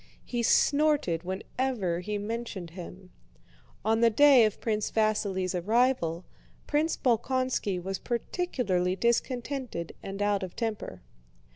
He snorted whenever he mentioned him. On the day of Prince Vasíli's arrival, Prince Bolkónski was particularly discontented and out of temper.